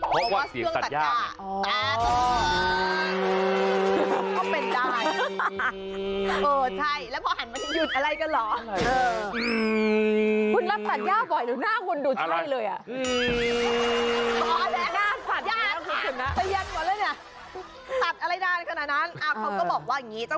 เพราะว่าเสียงตัดหญ้า